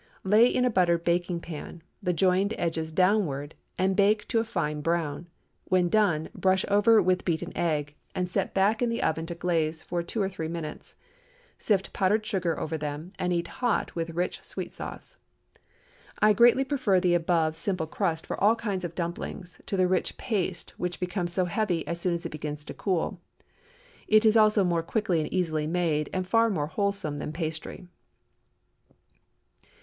Lay in a buttered baking pan, the joined edges downward, and bake to a fine brown. When done, brush over with beaten egg, and set back in the oven to glaze for two or three minutes. Sift powdered sugar over them, and eat hot with rich sweet sauce. I greatly prefer the above simple crust for all kinds of dumplings, to the rich paste which becomes heavy so soon as it begins to cool. It is also more quickly and easily made, and far more wholesome than pastry.